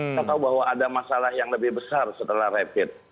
kita tahu bahwa ada masalah yang lebih besar setelah rapid